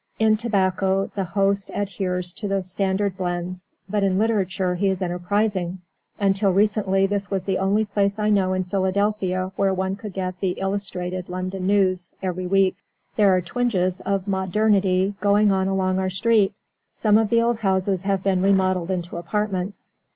In tobacco the host adheres to the standard blends, but in literature he is enterprising. Until recently this was the only place I know in Philadelphia where one could get the Illustrated London News every week. There are twinges of modernity going on along our street. Some of the old houses have been remodeled into apartments.